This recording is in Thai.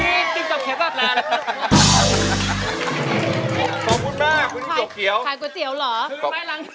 พี่พูดได้ก่อนล่ะคุณรูปนี้จิ๊บจอกเขียวแตกละ